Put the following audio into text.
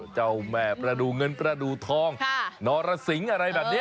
เจ้าแม่ประดูกเงินประดูทองนรสิงอะไรแบบนี้